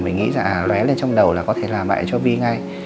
mình nghĩ là lé lên trong đầu là có thể làm bại cho vi ngay